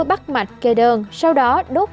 bắt mạch kê đơn sau đó đốt